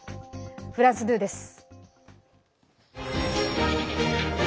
フランス２です。